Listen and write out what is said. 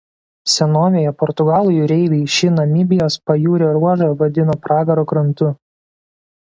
Senovėje portugalų jūreiviai šį Namibijos pajūrio ruožą vadino "Pragaro krantu".